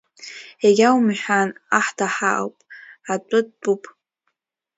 Егьа умҳәан, аҳ даҳауп, атәы дтәуп.